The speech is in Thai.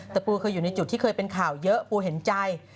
แต่ปูเคยอยู่ในจุดที่เคยเป็นข่าวเยอะปูเห็นใจ